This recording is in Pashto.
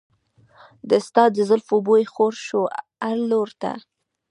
د ستا د زلفو بوی خور شو هر لور ته.